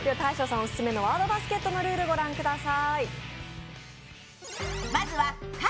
オススメの「ワードバスケット」のルールご覧ください。